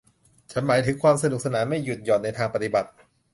ฉันหมายถึงความสนุกสนานไม่หยุดหย่อนในทางปฏิบัติ